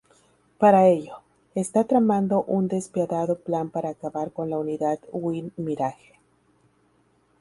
Para ello, está tramando un despiadado plan para acabar con la unidad "Win Mirage".